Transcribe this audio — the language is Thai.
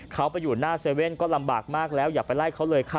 เขาไปอยู่หน้าเซเว่นก็ลำบากมากแล้วอย่าไปไล่เขาเลยค่ะ